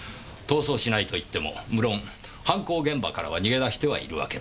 逃走しないと言っても無論犯行現場からは逃げ出してはいるわけですが。